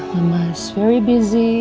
mama sibuk banget